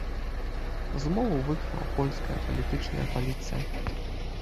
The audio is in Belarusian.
Змову выкрыла польская палітычная паліцыя.